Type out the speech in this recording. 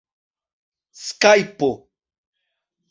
skajpo